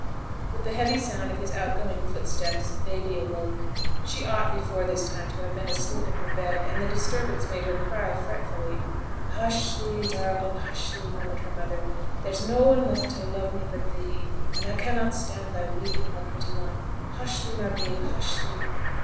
With the heavy sound of his out going footsteps, baby awoke. She ought before this time to have been asleep in her bed, and the disturbance made her cry fretfully. 'Hush thee, darling, hush thee!' murmured her mother; 'there's no one left to love me but thee, and I cannot stand thy weeping, my pretty one. Hush thee, my babe, hush thee!'